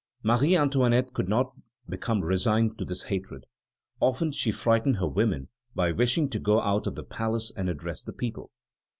Marie Antoinette could not become resigned to this hatred. Often she frightened her women by wishing to go out of the palace and address the people.